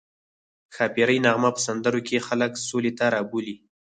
ښاپیرۍ نغمه په سندرو کې خلک سولې ته رابولي